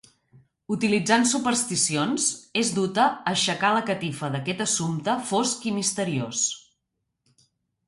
Utilitzant supersticions, és duta a aixecar la catifa d’aquest assumpte fosc i misteriós.